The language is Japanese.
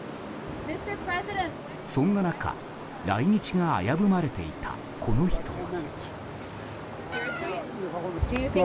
そんな中、来日が危ぶまれていたこの人は。